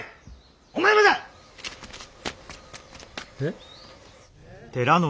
お前もだ！えっ？